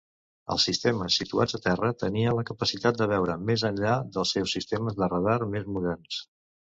Els sistemes situats a terra tenien la capacitat de veure més enllà dels seus sistemes de radar més moderns.